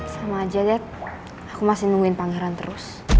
sama aja deh aku masih nungguin pangeran terus